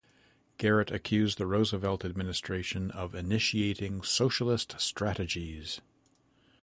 Garrett accused the Roosevelt Administration of initiating socialist strategies.